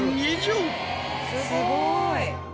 すごい。